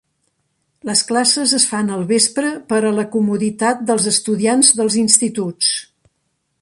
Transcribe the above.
Les classes es fan al vespre per a la comoditat dels estudiants dels instituts.